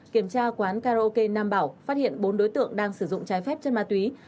kiểm tra quán karaoke nam bảo phát hiện bốn đối tượng đang sử dụng trái phép chất ma túy